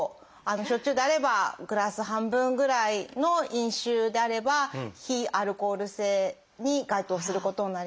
焼酎であればグラス半分ぐらいの飲酒であれば非アルコール性に該当することになります。